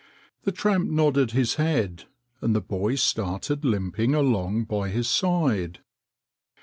The tramp nodded his head, and the boy started limping along by his side.